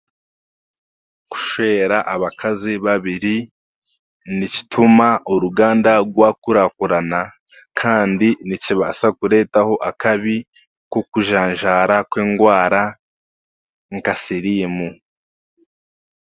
Kushwera abakazi babiri nikituma oruganda rwakurakurana kandi nikibaasa kureetaho akabi nk'okujanzaara kw'endwara nka siriimu